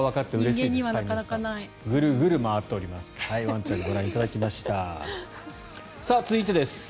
さあ、続いてです。